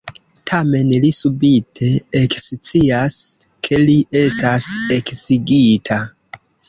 Tamen, li subite ekscias, ke li estas eksigita.